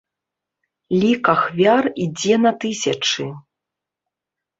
Лік ахвяр ідзе на тысячы.